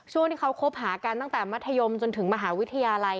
ช่วงที่เขาคบหากันตั้งแต่มัธยมจนถึงมหาวิทยาลัย